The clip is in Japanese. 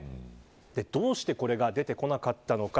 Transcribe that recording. どうしてこれが出てこなかったのか。